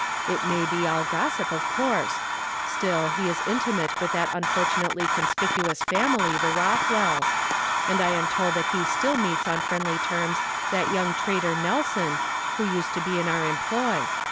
It may all be gossip, of course; still, he is intimate with that unfortunately conspicuous family, the Rothwells; and I am told that he still meets on friendly terms that young traitor Nelson, who used to be in our employ.